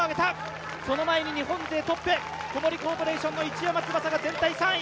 その前に日本勢トップ、小森コーポレーションの市山翼が全体３位。